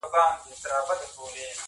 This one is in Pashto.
بله ورځ چي صحرايي راغی بازار ته!